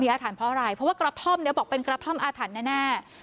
อาถรรพ์เพราะอะไรเพราะว่ากระท่อมนี้บอกเป็นกระท่อมอาถรรพ์แน่